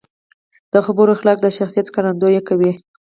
د خبرو اخلاق د شخصیت ښکارندويي کوي.